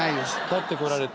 勝ってこられて。